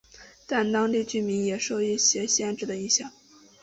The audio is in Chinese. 但当地居民也受一些特别限制的影响。